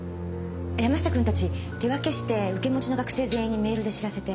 山下君たち手分けして受け持ちの学生全員にメールで知らせて。